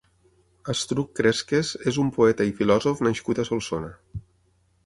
Astruc Cresques és un poeta i filòsof nascut a Solsona.